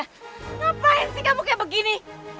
ngapain sih kamu kayak begini